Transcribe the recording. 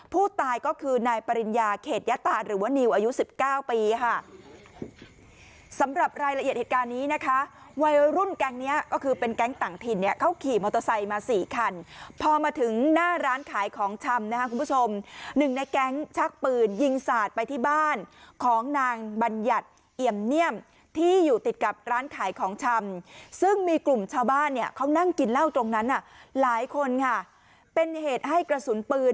ผู้ตายก็คือนายปริญญาเขตยะตาดหรือว่านิวอายุ๑๙ปีค่ะสำหรับรายละเอียดเหตุการณ์นี้นะคะวัยรุ่นแก๊งเนี่ยก็คือเป็นแก๊งต่างถิ่นเนี่ยเขาขี่มอเตอร์ไซค์มา๔คันพอมาถึงหน้าร้านขายของช่ำนะคุณผู้ชมหนึ่งในแก๊งชักปืนยิงสาดไปที่บ้านของนางบัญญัติเอียมเนี่ยมที่อยู่ติดกับร้านขายของช่ำซ